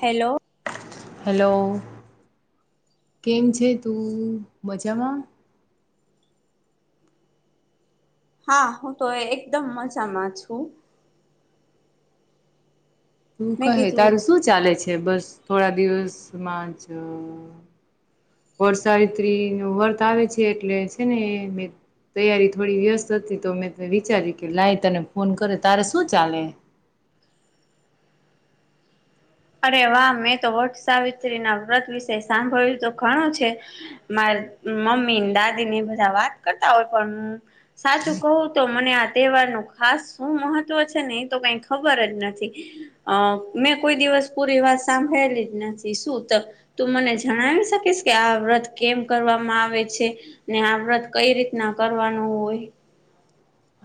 Hello. Hello કેમ છે તું મજામાં? હા હું તો એકદમ મજામાં છું. તું મેં કહે કીધું તારું શું ચાલે છે? છે બસ થોડા દિવસમાં જ વરસારિત્રી ન વર્ત આવે છે એટલે છે ને તૈયારી થોડી વ્યસ્ત હતી તો મેં વિચાર્યું કે લાઈ તને ફોન કરે, તારે શું ચાલે? [inaudible] અરે વાહ મેં તો વટ સાવિત્રી ના વ્રત વિશે સાંભળ્યું તો ઘણું છે મારે મમ્મી દાદી ને બધા વાત કરતા હોય પણ હ સાચું કહું તો મને તહેવાર ન ખાસ શું મહત્વ છે ને એ તો કઈ ખબર જ નથી અ મેં કોઈ દિવસ પૂરી વાત સાંભળેલી જ નથી શું તો તું મને જણાવી શકીશ કે આ વ્રત કેમ કરવા આવે છે ને આ વ્રત કઈ રીતના કરવાનું હોય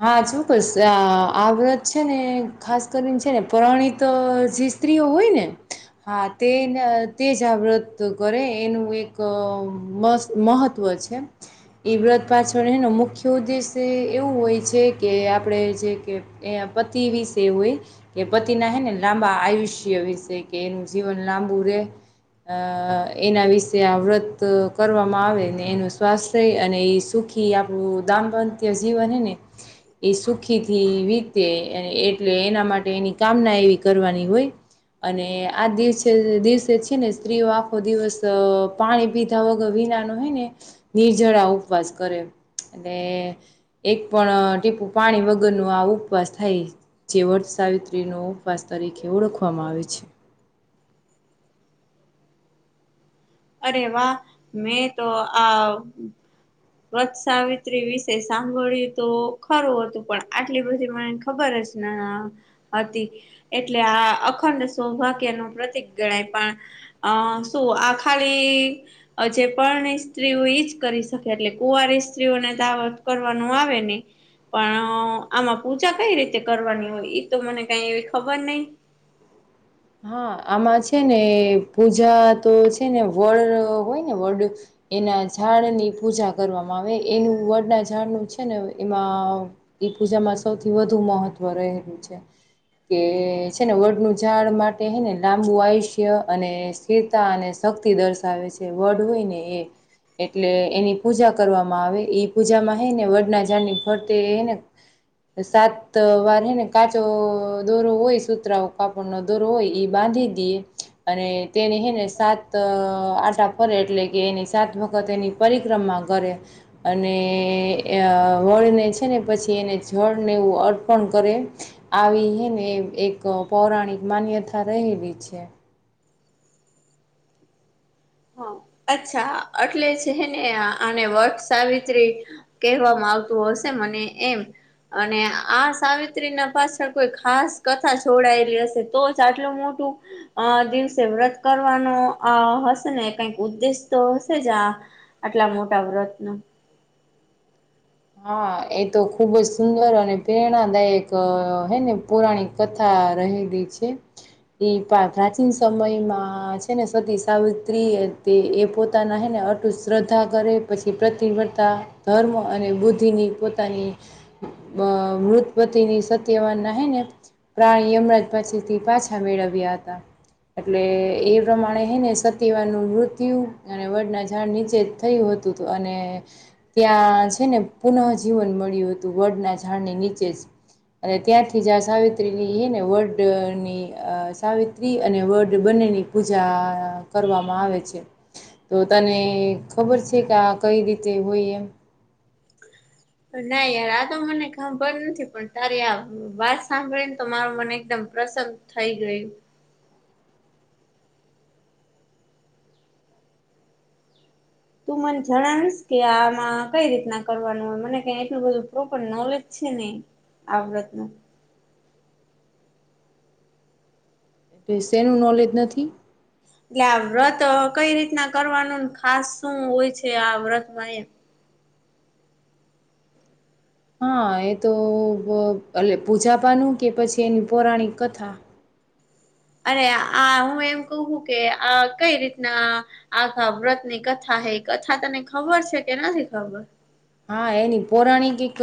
હા ચોક્કસ આ વ્રત છે ને ખાસ કરીને છે ને પરણીિત જે સ્ત્રીઓ હોય ને હા. તેને તે જાગૃત કરે એનું એક મહત્વ એ વ્રત પાછળ એનો મુખ્ય ઉદ્દેશ્ય એવું હોય છે કે આપણેે જે કે પતિ વિશે હોય કે પતિ ના હે ને લાંબા આયુષ્ય- શ વિશે કે નુંસીવનલાબૂરે અ એના વિશે આ વ્રત કરવામાં આવે એનું સ્વાસ્થ્ય અને એ સુખ ગામ પ્રત્યે જીવાન હું જેને જજીને એ સુખીથી વીતે એટલે એના માટે એની કામના એવી કરવાની હોય અને આ દિવસે દિવસે છે, ને સ્ત્રીઓ આખો દિવસ પાણી પીધા વગર ને નિર્જળ ઉપવાસ કરીન ત્યાર બાદ બીજો પણ ટીપુ પાણી વગર નું આ ઉપવાસ થાય જે વર્ત સાવિત્રીનો ઉપવાસ તરીકે ઓળખવામાં આવે છે. અરે વાહ મેં તો આ વત સાવિત્રી વિશે સાંભળ્યું તો ખરું હતું પણ આટલી બધી મનેને ખબર [unintelligible] હતી એટલે આ અખંડ સૌભાગ્ય નું પ્રતિક ગણાય પણ અ શું આ ખાલી જે પરણી સ્ત્રીઓ ઈજ કરી શકે એટલે કુવારી સ્ત્રીઓને તાવત કરવાનું આવે ને પણ આમાં પૂજા કઈ રીતે કરવાની હોય એ તો મને કઈ એવી ખબર નહી [inaudible] હા આમાં છે ને પૂજા તો છે ને વડ હોય ને વડ એના ઝાડની પૂજા કરવામાં આવે એનું વડના ઝાડનું છે ને એમાં ઈ પૂજામાં સૌથી વધુ મહત્વ રહેલું છે કે છે ને વડનું ઝાડ માટે- માટેને લાંબુ આયુષ્ય અને સ્થિરતા અને શક્તિ દર્શાવે છે વડ હોય ને એ એટલે એની પૂજા કરવામાં આવે એ પૂજામાં હ ને વડના ઝાની ફરતેને સાત વાર હે ને કાચો દોરો હોય સુતરા કાપડનો દોરો હોય એ બાંધી દેએ અને તેને હે ને સાત આટા ફરે એટલે કે એની સાત વખત એની પરિક્રમા અને એ વળને છે ને પછી એને જળને એવું અર્પણ કરે આવીને એક પૌરાણિક માન્યતા ઠ રહેલી છે. હા અચ્છા અટલે છે ને આને વટ સાવિત્રી કહેવામાં આવતું હશે મને એમ અને આ સાવિત્રી ના પાછળ કોઈ ખાસ કથા જોડાયેલી હશે તો જ આટલું મોટું અ દિવસે વ્રત કરવાનો અ ને કઈક ઉદ્દેશ તો હશે જ આ આટલા મોટા વ્રતનો હા એ તો ખુબ જ સુંદર અને પ્રેરણાદાયક હે ને પુરાણિક કથા રહેલી છે. એ પ્રાચીન સમયમાં છે ને સતી સાવિત્રી તે એ પોતાના હે ને અટું શ્રદ્ધા કરે પછી પ્રતિબતા ધર્મ અને બુદ્ધિની પોતાની અ મૃત પતિની સત્યવાન ના હ ને પ્રાણી યમરાજ પછી થી પાછા મેળવ્યા હતા એટલે એ પ્રમાણે હૈ ને સતીવાર નું મૃત્યુ અને વડના ઝાડ નીચે જ થયું હોય અને ત્યાં છે ને પુનઃ જીવન મળ્યું હતું વડના ઝાડને નીચે જ અને ત્યાંથી જ આ સાવિત્રીની હ ને વર્ડનીઅ સાવિત્રી અને વર્ડ બને ની પૂજા કરવામાં આવે છે તો તને ખબર છે કે આ કઈ રીતે હોય એમ ના યાર આ તો મને ખબર નથી પણ તારી આ વાત સાંભળીને તો માર મને એકદમ પ્રસન થઈ ગયું તું મને જણાવીશ કે આમાં કઈ રીતના કરવાનું હોય મને ક એટલું બધું પ્રોપર નોલેજ છે છે ન આવ્રત્નો એટલે શેનું નોલેજ નથી એટલે આ વ્રત કઈ રીતના કરવાનું ખાસ શું હોય છે આ વ્રતમાં એમ હા એ તો અ ઓલી પૂજાપાનું કે પછી એની પૌરાણિક કથા અરે આ હું એમ કવું કે આ કઈ રીતના આ આખા વ્રત ની કથા હા કથા તને ખબર છે કે નથી ખબર હા એની પૌરાણિક એક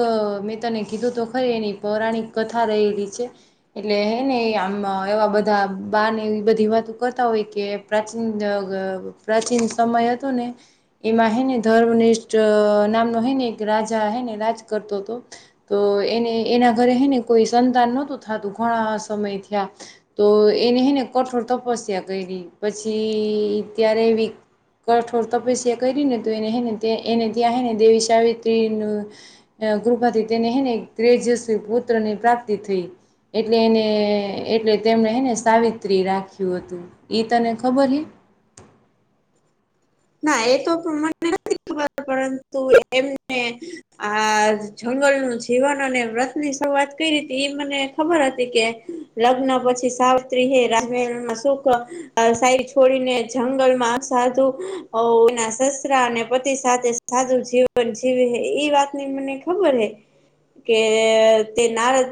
મેં તને કીધું તો ખરી એની પૌરાણિક કથા રહેલી છે એટલે હે ને આમ એવા બધા બાર ને એવી બધી વાતો કરતા હોય કે પ્રાચીન પ્રાચીન સમય હતો ને એમાં હને ધર્મનિષ્ઠ નામ ને એક રાજા હેને રાજ કરતો હતો તો એને એના ઘરે હને કોઈ સંતાન નતું થતું ઘણા સમય થયા તો એને હને કઠોર તપસ્યા કરી પછી ત્યારે એવી કઠોર તપસ્યા કરી ને તો એનેને એને ત્યાં હ ને દેવી [unintelligible] કૃપાથી તેનેને ત્રેજસ પુત્ર ની પ્રાપ્તિ થઈ એટલે એને એટલે તેમણે એને સાવિત્રી રાખ્યું હતું ઈ તને ખબર હે [inaudible] ના એ તો પ્રમાણે પરંતુ એમને આ જંગલનુંું જીવન અને વ્રતની સવાર ત કરી હતી એ મને ખબર હતી કે લગ્ન પછી સાવત્રી રામાં સુખ અ સાઈ છોડીને જંગલ માં સાધુઓના સસરા અને સાથે સાદું જીવન જીવે હ એ વાતની મને ખબર હૈ. કે તે નારદ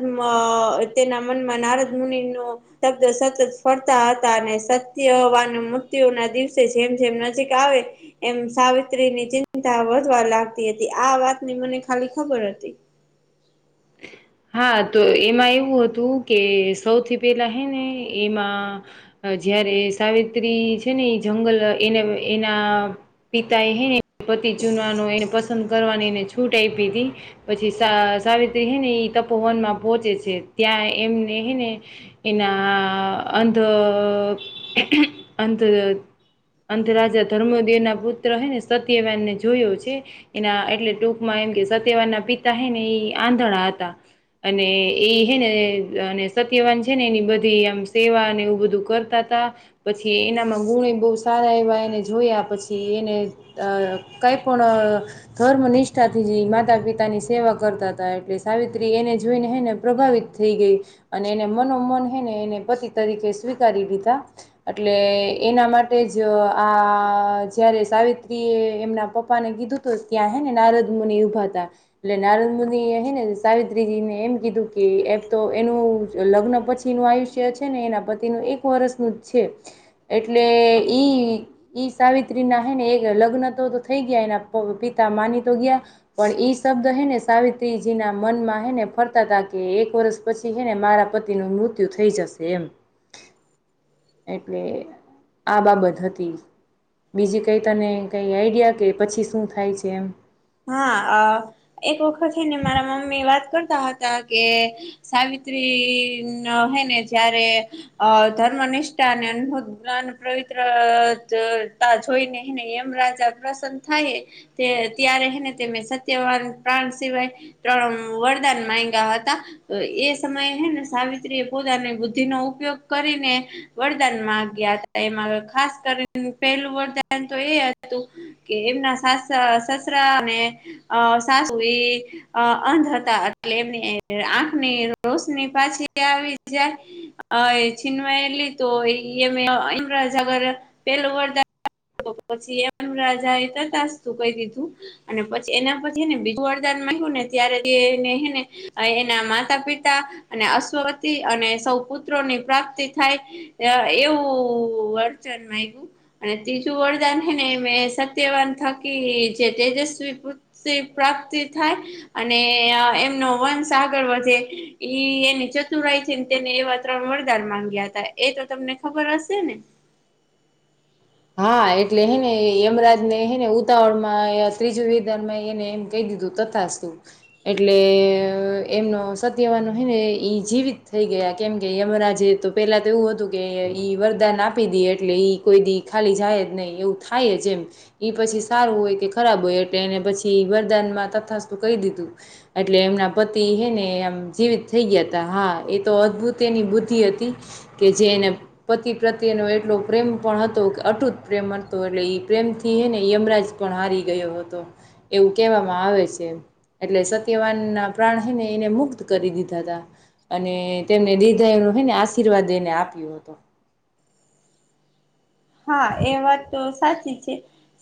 તેના મનમાં નારદ મુનિ નો તબ્દ સતત ફરતા હતા અને સત્યવાન મૃત્યુ ના દિવસે જેમ જેમ નજીક આવે એમ સા આ ની ચિંતા વધવા લાગતી હતી આ વાતની મને ખાલી ખબર હતી. હા તો એમાં એવું હતું કે સૌથી પેલા હે ને એમાં જયારે સાવિત્રી છે ને એ--જંગલ એને એના--પિતા એ હે ને પતિ ચુનવાનું એને પસંદ કરવાની છૂટ આપી તી પછી સા--સાવિત્રી હે ને તપોવનમાં પહોંચે છે ત્યાં એમને હે ને એના--અંધ અંતર અંધ રાજા ધર્મદેવ ના પુત્ર હૈ ને સત્યવાનને જોયો છે એના એટલે ટૂંકમાં એમ કે સત્યવાન ના પિતા હે ને એ આંધડા હતા. અને એ હે ને અને સત્યવાન છે ને એની બધી આમ સેવા અને એવું બધું કર તા તા પછી એનામાં ગુણ બવ સારા એવા એને જોયા પછી એને કઈ પણ ધર્મ નિષ્ઠા થી માતા પિતા ની સેવા કરતા હતા એટલે સાવિત્રી એને જોઈને એને પ્રભાવિત થઈ ગઈ અને એને મનોમન હેને એને પતિ તરીકે સ્વીકારી દીધા એટલે એના માટે જ આ જયારે સાવિત્રી એ એમના પપ્પા ને કીધું તું જ ત્યાં હે ને નારદ મુની ઉભા તા એટલે નારદ મુનિ હે ને સાવિત્રીજીને એમ કીધું કે એમ તો એનું લગ્ન પછી નું આયુષ્ય છે ને એના પતિનું એક વર્ષનું જ છે એટલે ઈ ઈ સાવિત્રી ના હે ને એક લગ્ન થઈ ગયા એના પિતા માની તો ગયા પણ ઈ શબ્દ હે ને સાવિત્રીજી ના મનમાં હેને ફરતા તા કે એક વર્ષ પછી હેને મારા પતિ નું મૃત્યુ થઈ જશે એમ એટલે આ બાબત હતી. બીજી કઈ તને કઈ આઈડિયા કે પછી શું થાય છે એમ? હા અ એક વખત હે ને મારા મમ્મી વાત કરતા હતા કે સાવિ સ્ત્રી--ન હે ને જયારે અ ધર્મનિષ્ઠા અને અનહૂદ જોઈને હેને એમ રાજા પ્રસન થાય તે ત્યારે હેને તેમને સત્યવાન પ્રાણ સિવાય ત્રણ વરદાન માંગ્યા હતા એ સમયે હે ને સાવિત્રી એ પોતાની બુદ્ધિ નો ઉપયોગ કરીને વરદાન માં ગયા હતા. એમાં ખાસ કરીને પેલું વરધાન તો એ હતું કે એમના સા અ સસ સસરા અને સાસુ એ અંધ અ હતા એટલે એમની આંખની રોશની પાછી આવી જાય છીનવાયેલી તો એ ાર પેલું વરદાન પછી એનુ રાજા એ તથાસ્તુ કહી દીધું અને પછી એના પછીને હે ને બીજું વરદાન માગ્યું ને ત્યારે તેને હે ને એના માતા પિતા તા અને અશ્વવતિ અને સૌ પુત્રોની પ્રાપ્તિ થાય એવું વળચન અને ત્રીજું વરદાન હે ને એ સત્યવાન થકી જે તેજસ્વી પુત્રી પ્રાપ્તિ થાય અને અ એમનો વંશ આગળ વધે એ એની ચતુરાઈ છેને તેને એવા ત્રણ વરદાન માંગ્યા હતા એ તો તમને ખબર હશે ને. હા એટલે હેને યમરાજ ને હેને ઉતાવળ માં ત્રીજું વિધાન માં એને એમ કહી દીધું તથાસ્તુ એટલે એમનો સત્યવાનો હોય ને ઈ જીવિત થઈ ગયા. કેમ કે યમરા જે તો પેલા તો એવું હતું કે ઈ વરદાન આપી દી એટલે ઈ કોઈ દી ખાલી જાય જ નહી એવું થાય જ એમ પછી સારું હોય કે ખરાબ હોય એટલે એને પછી વરદાન તથાસ્તુ કહી દીધું એટલે એમના પતિ હે ને આમ જીવિત થઈ ગયા તા હા એ તો અદભુત એની બુદ્ધિ હતી કે જે એને પતિ પ્રત્યેનો એટલો પ્રેમ પણ હતો અટૂત પ્રેમ હતો એટલે પ્રેમ થી ને યમરાજ પણ હારી ગયો હતો એવું કહેવામાં આવે આવે છે. એટલે સત્યવાન ના પ્રાણને એને મુક્ત કરી દીધા હતા અને તેમને દીધા એ ને આશીર્વાદ એને આપ્યો હતો. હ [inaudible] હા એ વાત તો સાચ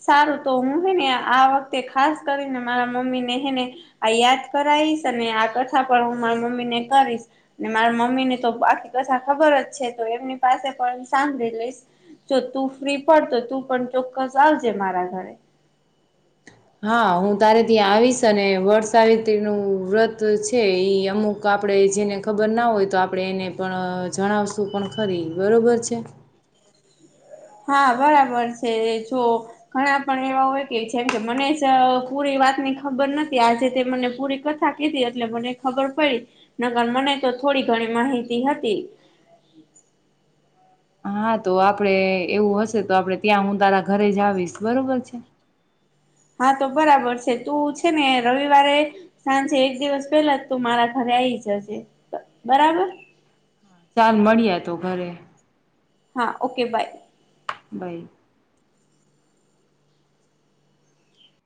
સારું તો હું હેને આ વખતે ખાસ કરીને મારા મમ્મી ને હેને યાદ કરાઈશ અને આ કથા પણ હું મારા મમ્મી ને કરીશ અને મારા મમ્મી ને તો આખી કથા ખબર જ છે તો એમની પાસે પણ સાંભળી લઈશ જો તું ફ્રી પડતો તું પણ ચોક્કસ આવજે મારા ઘરે હા હું તારે ત્યાં આવીશ ને વર્ સાાવિત નું વ્રત છે ઈ અમુક આપડે જેને ખબર ના હોય તો આપડણે એને પણ જણાવશું પણ ખરી બરોબર છે હા બરાબર છે જો ઘણા પણ એવા હોય કે જેમ કે મને જ પૂરે વાતની ખબર નથી આજે તે મને પૂરી કથા કીધી એટલે મને ખબર પડી નકર મને તો થોડી ઘણી માહિતી હતી હા તો આપડે એવું હશે તો આપડણે ત્યાં હું તારા ઘરે જ આવીશ બરોબર છે હા તો બરાબર છે તું છે ને રવિવારે સાંજે એક દિવસ પેલા જ તું મારા ઘરે આવી જજે બરાબર. ચાલ મળીએ તો ઘરે હા ઓકે બાય બાય.